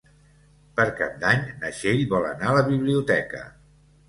Per Cap d'Any na Txell vol anar a la biblioteca.